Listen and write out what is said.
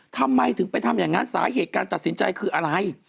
ทำไมถึงไปทำอย่างนั้นสาเหตุการตัดสินใจคืออะไร